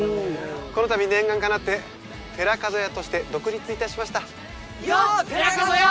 このたび念願かなって寺門屋として独立いたしましたよっ寺門屋！